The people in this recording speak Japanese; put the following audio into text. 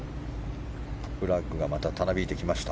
フラッグがまたたなびいてきました。